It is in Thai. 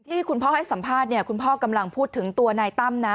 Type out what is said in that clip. คุณพ่อให้สัมภาษณ์เนี่ยคุณพ่อกำลังพูดถึงตัวนายตั้มนะ